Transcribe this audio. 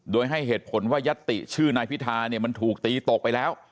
โดยให้เหตุผลว่ายัตติชื่อนายพิธาเนี่ยมันถูกตีตกไปแล้ว